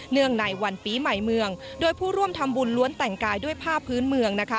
ในวันปีใหม่เมืองโดยผู้ร่วมทำบุญล้วนแต่งกายด้วยผ้าพื้นเมืองนะคะ